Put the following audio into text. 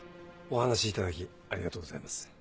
お話しいただきありがとうございます。